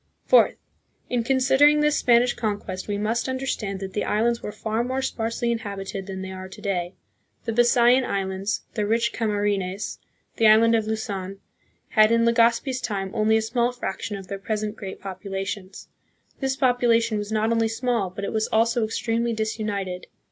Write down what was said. Fourth. In considering this Spanish conquest, we must understand that the islands were far more sparsely inhabited than they are to day. The Bisayan islands, the rich Camarines, the island of Luzon, had, in Legazpi's time, only a small fraction of their present great popula tions. This population was not only small, but it was also extremely disunited.